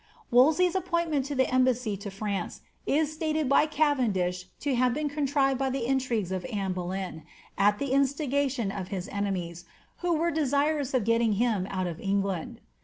Wolsey^ appointment to the embassy 16 France is stated by Cavendish to have been contrived by the intrigues of Anne Holey n, at the instigation of his enemies, who were desirous of getting him out of England.